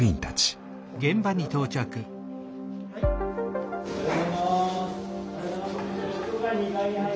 おはようございます。